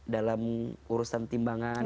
dalam urusan timbangan